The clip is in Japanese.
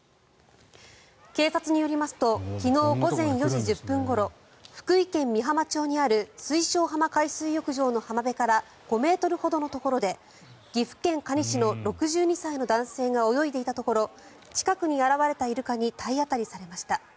警察によりますと昨日午前４時１０分ごろ福井県美浜町にある水晶浜海水浴場の浜辺から５ｍほどのところで岐阜県可児市の６２歳の男性が泳いでいたところ近くに現れたイルカに体当たりされました。